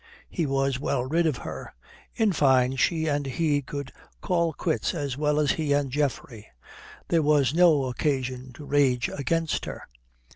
He was well rid of her. In fine, she and he could call quits as well as he and Geoffrey. There was no occasion to rage against her.